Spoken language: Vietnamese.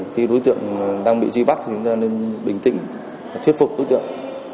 khi đối tượng đang bị duy bắt chúng ta nên bình tĩnh thuyết phục đối tượng